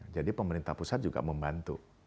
jadi pemerintah pusat juga membantu